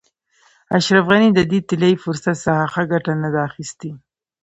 اشرف غني د دې طلایي فرصت څخه ښه ګټه نه ده اخیستې.